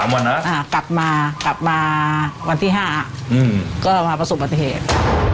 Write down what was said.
กลับมากลับมาวันที่๕ก็มาประสบปฏิเหตุ